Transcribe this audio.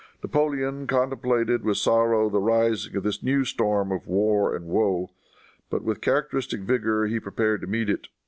Napoleon contemplated with sorrow the rising of this new storm of war and woe; but with characteristic vigor he prepared to meet it.